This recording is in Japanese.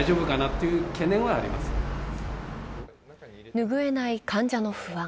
ぬぐえない患者の不安。